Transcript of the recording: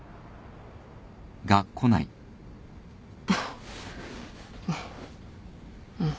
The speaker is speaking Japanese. あっうん。